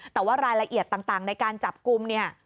แต่ว่ารายละเอียดต่างในการจับกลุ่มเนี่ย